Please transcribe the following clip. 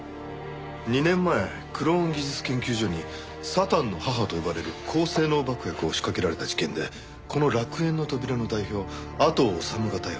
２年前クローン技術研究所に「サタンの母」と呼ばれる高性能爆薬を仕掛けられた事件でこの楽園の扉の代表阿藤修が逮捕。